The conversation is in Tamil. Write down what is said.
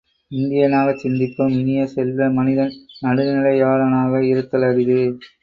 இந்தியனாகச் சிந்திப்போம் இனிய செல்வ, மனிதன் நடுநிலையாளனாக இருத்தல் அரிது.